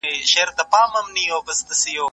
ایا ته پوهېږې چې وسپنه د ستړیا مخنیوی کوي؟